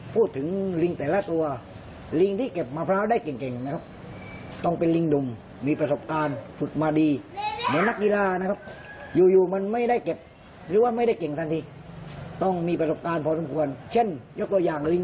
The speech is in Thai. ฟังเสียงกันค่ะ